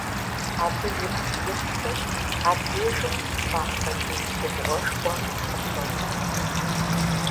Абы ипкъ иткӏэ абдежым малъхъэдис губгъуэшхуэ къыщоунэху.